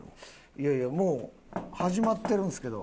いやいやもう始まってるんですけど。